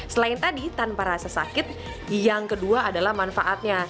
selain tadi tanpa rasa sakit yang kedua adalah manfaatnya